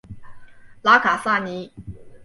拉卡萨尼。